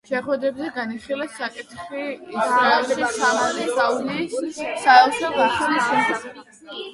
შეხვედრებზე განიხილეს საკითხი ისრაელში სამხრეთ სუდანის საელჩოს გახსნის შესახებ.